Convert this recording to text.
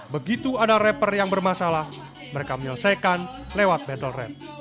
begitu ada rapper yang bermasalah mereka menyelesaikan lewat battle rap